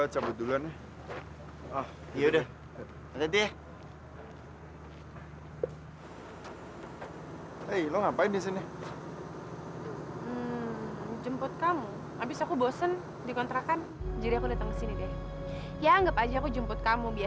sampai jumpa di video selanjutnya